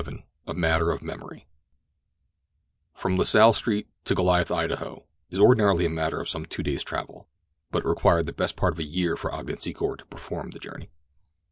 — A MATTER OF MEMORY From La Salle Street to Goliath Idaho, is ordinarily a matter of some two days' travel; but it required the best part of a year for Ogden Secor to perform the journey.